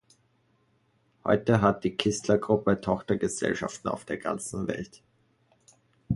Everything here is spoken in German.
Heute hat die Kistler Gruppe Tochtergesellschaften auf der ganzen Welt.